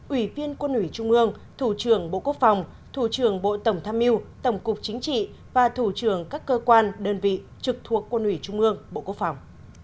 ủy viên quân ủy trung ương thủ trưởng bộ quốc phòng thủ trưởng bộ tổng tham mưu tổng cục chính trị và thủ trưởng các cơ quan đơn vị trực thuộc quân ủy trung ương bộ quốc phòng